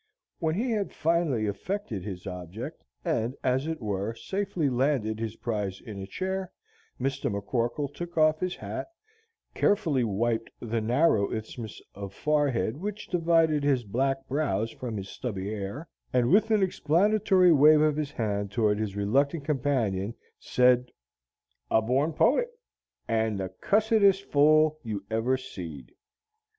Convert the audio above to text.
When he had finally effected his object, and, as it were, safely landed his prize in a chair, Mr. McCorkle took off his hat, carefully wiped the narrow isthmus of forehead which divided his black brows from his stubby hair, and with an explanatory wave of his hand toward his reluctant companion, said, "A borned poet, and the cussedest fool you ever seed!"